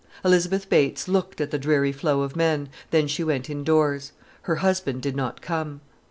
Elizabeth Bates looked at the dreary flow of men, then she went indoors. Her husband did not come.